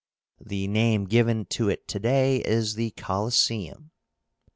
The name given to it to day is the COLOSSÉUM.